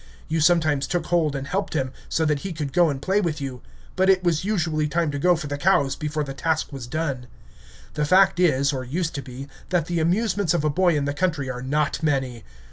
You sometimes took hold and helped him, so that he could go and play with you; but it was usually time to go for the cows before the task was done. The fact is, or used to be, that the amusements of a boy in the country are not many.